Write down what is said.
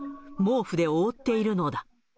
毛布で覆っているのだ。